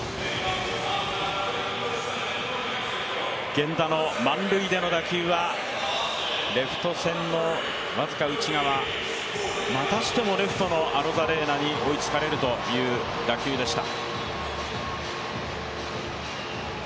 源田の満塁での打球はレフト線の僅か内側、またしてもレフトのアロザレーナに追いつかれるという打球でした。